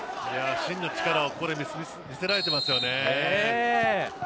真の力をここで見せられてますよね。